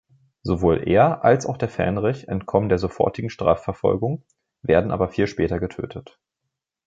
Sowohl er als auch der Fähnrich entkommen der sofortigen Strafverfolgung, werden aber viel später getötet.